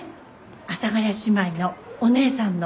阿佐ヶ谷姉妹のお姉さんの。